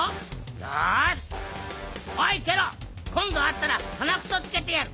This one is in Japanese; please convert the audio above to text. よしおいケロこんどあったらはなくそつけてやる。